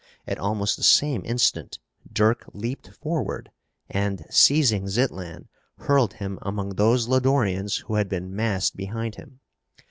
At almost the same instant Dirk leaped forward and, seizing Zitlan, hurled him among those Lodorians who had been massed behind him.